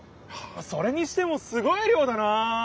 それにしてもすごい量だな！